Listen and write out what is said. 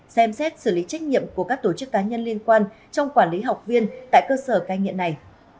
xem xét xử lý trách nhiệm của các tổ chức cá nhân liên quan trong quản lý học viên tại cơ sở cai nghiện này